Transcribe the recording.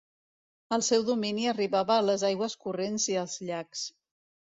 El seu domini arribava a les aigües corrents i als llacs.